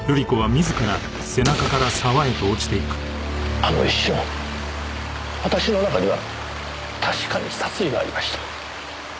あの一瞬私の中には確かに殺意がありました。